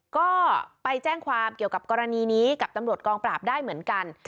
ก็ไปแจ้งความเกี่ยวกับกรณีนี้กับตำรวจกองปราบได้เหมือนกัน